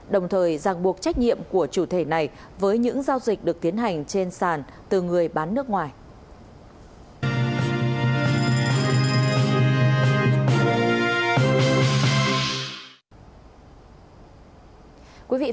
đồng thời giảng buộc trách nhiệm của chủ thể này với những giao dịch được tiến hành trên sàn từ người bán nước ngoài